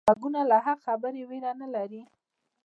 غوږونه له حق خبرې ویره نه لري